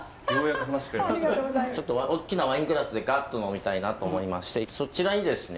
ちょっとおっきなワイングラスでガッと呑みたいなと思いましてそちらにですね